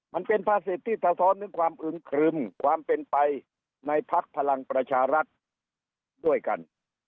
มันเป็นภาษิตที่สะท้อนถึงความอึมครึมความเป็นไปในพักพลังประชารัฐด้วยกัน